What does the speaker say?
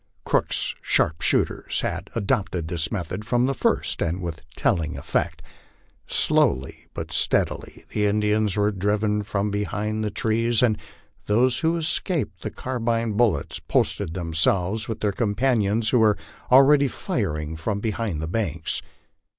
Cook's sharpshooters had adopted this method from the first, and with telling effect. Slowly but steadi ly the Indians were driven from behind the trees, and those who escaped the carbine bullets posted themselves with their companions who were already firing from the banks.